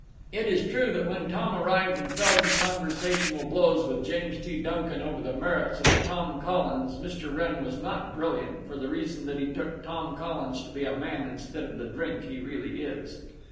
It is true that when Tom arrived and fell to conversational blows with James T. Duncan over the merits of a Tom Collins Mr. Wrenn was not brilliant, for the reason that he took Tom Collins to be a man instead of the drink he really is.